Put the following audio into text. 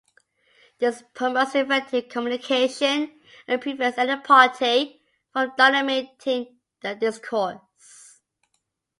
This promotes effective communication and prevents any party from dominating the discourse.